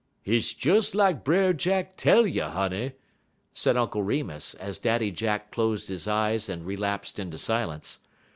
"Hit's des lak Brer Jack tell you, honey," said Uncle Remus, as Daddy Jack closed his eyes and relapsed into silence.